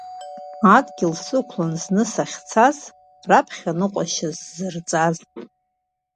Адгьыл сықәлан зны сахьцаз, раԥхьа аныҟәашьа сзырҵаз…